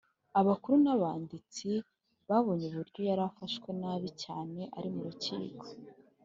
abakuru n’abanditsi babonye uburyo yari afashwe nabi cyane ari mu rukiko,